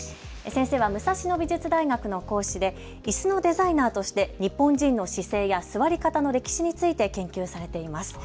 先生は武蔵野美術大学の講師でいすのデザイナーとして日本人の姿勢や座り方の歴史について研究されています。